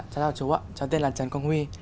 chào chú ạ cháu tên là trần công huy